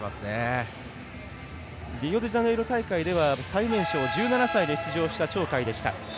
リオデジャネイロのときには最年少１７歳で登場した鳥海でした。